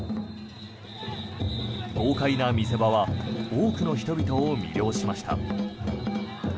豪快な見せ場は多くの人を魅了しました。